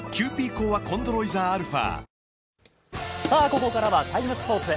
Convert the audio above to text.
ここから「ＴＩＭＥ，スポーツ」